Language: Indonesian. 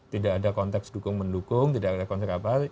tidak ada konteks dukung mendukung tidak ada konteks apa